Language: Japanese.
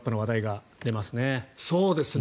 そうですね。